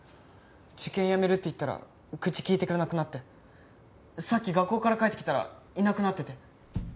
受験やめるって言ったら口きいてくれなくなってさっき学校から帰ってきたらいなくなってて。